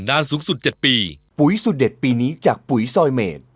นานสูงสุด๗ปีปุ๋ยสุดเด็ดปีนี้จากปุ๋ยซอยเมด